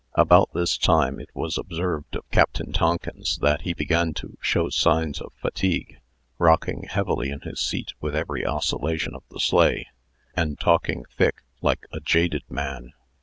About this time, it was observed of Captain Tonkins that he began to show signs of fatigue, rocking heavily in his seat with every oscillation of the sleigh, and talking thick like a jaded man.